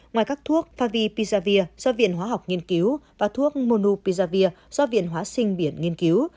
ngoài các thuốc favipizavir do viện hóa học nghiên cứu và thuốc monopizavir do viện hóa sinh viện nghiên cứu